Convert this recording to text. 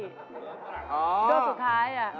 ด้วยสุดท้ายอะ